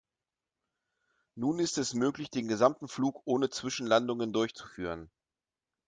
Nun ist es möglich, den gesamten Flug ohne Zwischenlandungen durchzuführen.